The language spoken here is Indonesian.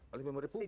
oleh member republik